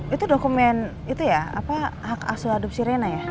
itu dokumen itu ya hak asuh adupsi rena ya